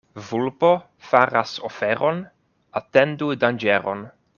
Vulpo faras oferon — atendu danĝeron.